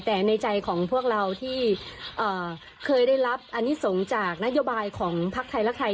แต่ในใจของพวกเราที่เคยได้รับอนิสงฆ์จากนโยบายของภักดิ์ไทยและไทย